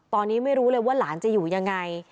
ตอนนี้ไม่รู้เลยว่าหลานจะอยู่ยังไง